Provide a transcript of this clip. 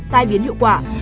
tai biến hiệu quả